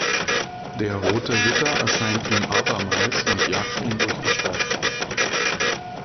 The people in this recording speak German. Der rote Ritter erscheint ihm abermals und jagt ihn durch die Stadt.